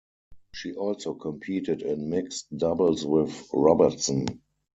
She also competed in mixed doubles with Robertson.